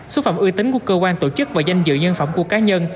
xúc phạm ưu tính của cơ quan tổ chức và danh dự nhân phẩm của cá nhân